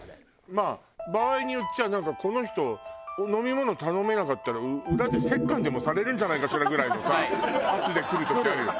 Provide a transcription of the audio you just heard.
まあ場合によっちゃなんかこの人飲み物頼めなかったら裏で折檻でもされるんじゃないかしらぐらいのさ圧でくる時あるよ。